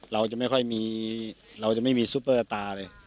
เราจะไม่ค่อยมีเราจะไม่มีซุปเปอร์ตาร์เลย